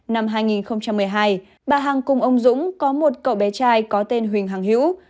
năm hai nghìn một mươi hai bà hằng cùng ông dũng có một cậu bé trai có tên huỳnh hàng hữu